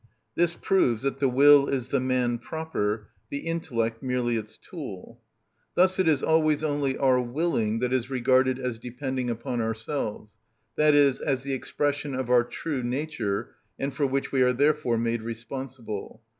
This proves that the will is the man proper, the intellect merely its tool. Thus it is always only our willing that is regarded as depending upon ourselves, i.e., as the expression of our true nature, and for which we are therefore made responsible.